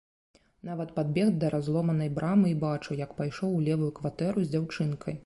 Нават падбег да разломанай брамы і бачыў, як пайшоў у левую кватэру з дзяўчынкай.